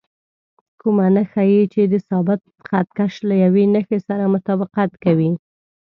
کومه نښه یې چې د ثابت خط کش له یوې نښې سره مطابقت کوي.